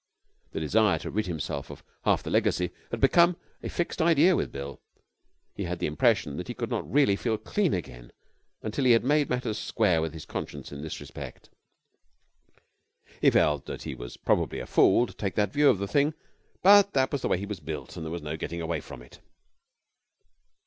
The desire to rid himself of half the legacy had become a fixed idea with Bill. He had the impression that he could not really feel clean again until he had made matters square with his conscience in this respect. He felt that he was probably a fool to take that view of the thing, but that was the way he was built and there was no getting away from it.